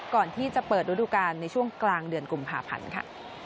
ก่อนที่จะเปิดวัตถุการณ์ในช่วงกลางเดือนกลุ่มผ่าพันธุ์ค่ะ